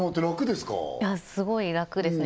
すごい楽ですね